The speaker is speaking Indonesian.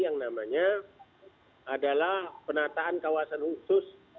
yang namanya adalah penataan kawasan khusus